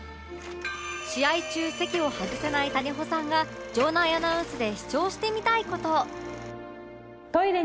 試合中席を外せない谷保さんが場内アナウンスで主張してみたい事